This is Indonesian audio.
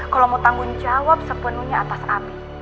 kalau mau tanggung jawab sepenuhnya atas api